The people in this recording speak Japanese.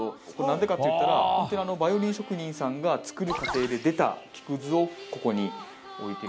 なんでかって言ったら、本当にバイオリン職人さんが作る過程で出た木くずをここに置いて。